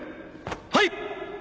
はい。